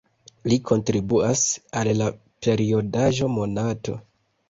Li kontribuas al la periodaĵo "Monato".